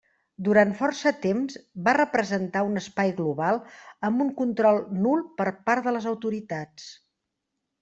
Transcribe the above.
Durant força temps va representar un espai global amb un control nul per part de les autoritats.